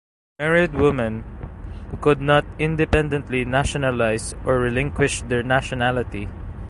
Married women could not independently nationalize or relinquish their nationality.